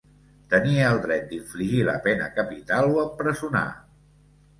Tenia el dret d'infligir la pena capital o empresonar.